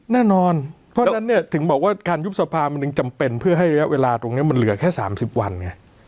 แน่นอนเพราะฉะนั้นเนี่ยถึงบอกว่าการยุบสภามันยังจำเป็นเพื่อให้ระยะเวลาตรงนี้มันเหลือแค่๓๐วันไง